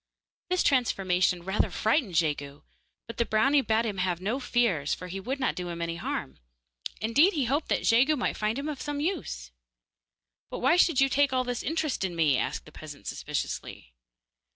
This transformation rather frightened Jegu, but the brownie bade him have no fears, for he would not do him any harm; indeed, he hoped that Jegu might find him of some use. 'But why should you take all this interest in me?' asked the peasant suspiciously.